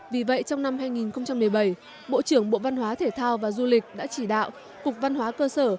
vì vậy trong năm hai nghìn một mươi bảy bộ trưởng bộ văn hóa thể thao và du lịch đã chỉ đạo cục văn hóa cơ sở